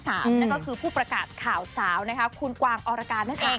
นั่นก็คือผู้ประกาศข่าวสาวคุณกวางอรการนั่นเอง